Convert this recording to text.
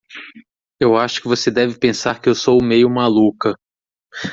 Eu acho que você deve pensar que eu sou meio maluca.